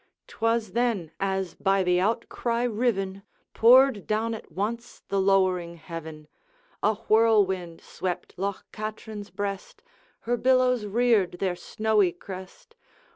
'T was then, as by the outcry riven, Poured down at once the lowering heaven: A whirlwind swept Loch Katrine's breast, Her billows reared their snowy crest.